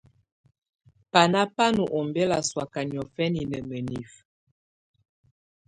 Bana bà nɔ̀ ɔmbela sɔ̀́áka niɔ̀fɛna nà mǝnifǝ.